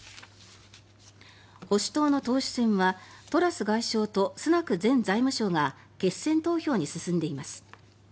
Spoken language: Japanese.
保守党の党首選はトラス外相とスナク前財務相が決選投票に進んでいます。